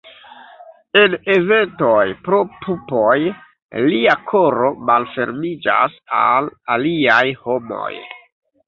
En eventoj pro pupoj, lia koro malfermiĝas al aliaj homoj.